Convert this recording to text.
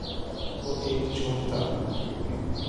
وہ ایک جھوٹ تھا